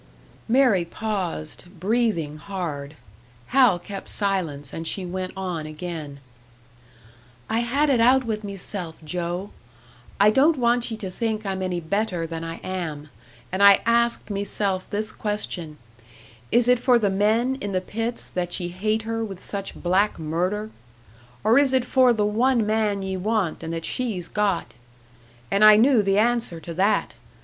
Mary paused, breathing hard. Hal kept silence, and she went on again: "I had it out with meself, Joe! I don't want ye to think I'm any better than I am, and I asked meself this question Is it for the men in the pits that ye hate her with such black murder? Or is it for the one man ye want, and that she's got? And I knew the answer to that!